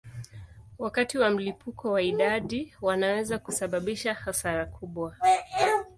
Wakati wa mlipuko wa idadi wanaweza kusababisha hasara kubwa.